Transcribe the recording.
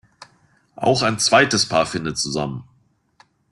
Auch ein zweites Paar findet zusammen.